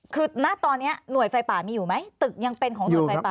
คือณตอนนี้หน่วยไฟป่ามีอยู่ไหมตึกยังเป็นของหน่วยไฟป่า